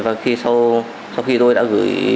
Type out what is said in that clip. và sau khi tôi đã gửi